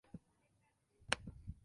Aquí se muestra una animación.